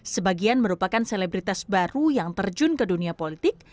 sebagian merupakan selebritas baru yang terjun ke dunia politik